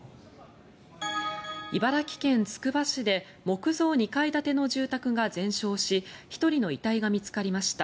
茨城県つくば市で木造２階建ての住宅が全焼し１人の遺体が見つかりました。